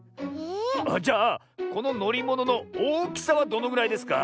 ⁉ああじゃあこののりもののおおきさはどのぐらいですか？